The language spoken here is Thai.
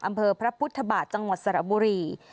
อำเภอพระพุทธบาทจังหวัดสระบุรี